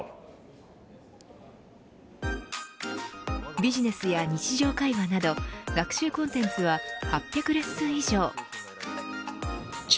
ビジネスや日常会話など学習コンテンツは８００レッスン以上。